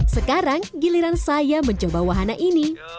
sekarang giliran saya mencoba wahana ini